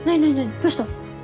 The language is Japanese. どうした？